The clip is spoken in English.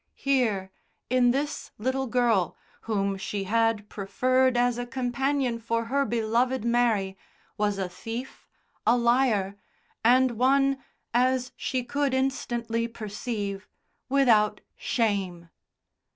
Here, in this little girl, whom she had preferred as a companion for her beloved Mary, was a thief, a liar, and one, as she could instantly perceive, without shame.